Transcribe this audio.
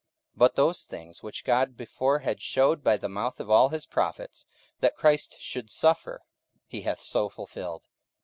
44:003:018 But those things, which God before had shewed by the mouth of all his prophets, that Christ should suffer, he hath so fulfilled.